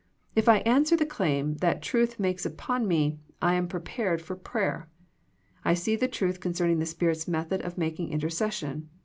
If I answer the claim that truth makes upon me I am prepared for prayer. I see the truth concerning the Spirit's method of making intercession.